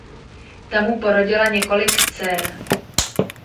Ta mu porodila několik dcer.